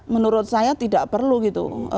menurut saya tidak perlu gitu